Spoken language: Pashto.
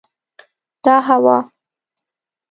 دا هوا